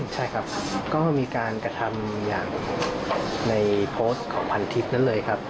ใช่ครับก็มีการกระทำอย่างในโพสต์ของพันทิพย์นั้นเลยครับ